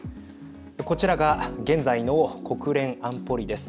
こちらが現在の国連安保理です。